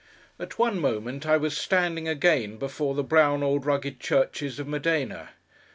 At one moment, I was standing again, before the brown old rugged churches of Modena.